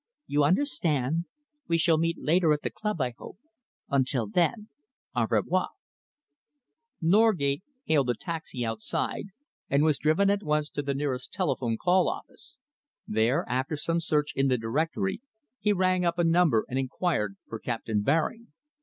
You understand? We shall meet later at the club, I hope. Until then, au revoir!" Norgate hailed a taxi outside and was driven at once to the nearest telephone call office. There, after some search in the directory, he rang up a number and enquired for Captain Baring.